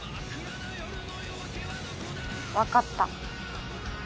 分かった。